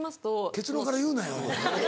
結論から言うなよ。